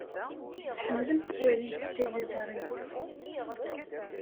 Tḥemmlemt ad twalimt tiliẓri.